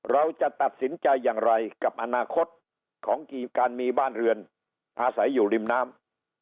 เราจะตัดสินใจอย่างไรกับอนาคตของการมีบ้านเรือนอาศัยอยู่ริมน้ำ